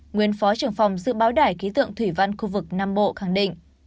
nguyên phó trưởng phòng dự báo đại ký tượng thủy văn khu vực nam bộ khẳng định